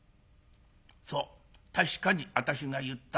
「そう確かに私が言った。